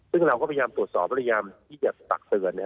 ซึ่งเราก็พยายามตรวจสอบพยายามที่จะตักเตือน